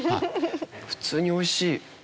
普通に美味しい。